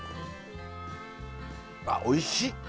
あおいしい！